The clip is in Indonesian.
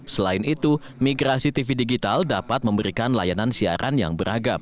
selain itu migrasi tv digital dapat memberikan layanan siaran yang beragam